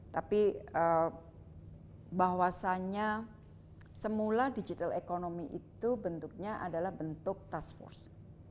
tapi bahwasannya semula digital economy itu bentuknya adalah bentuk task force